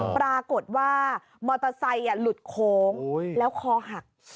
ปรากฏว่ามอเตอร์ไซค์หลุดโค้งแล้วคอหัก